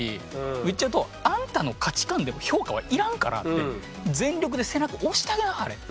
言っちゃうと「あんたの価値観で評価はいらんから全力で背中を押してあげなはれ」。